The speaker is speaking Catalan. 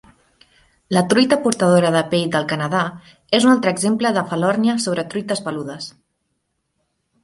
La truita portadora de pell del Canadà és un altre exemple de falòrnia sobre truites peludes.